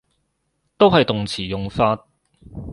都係動詞用法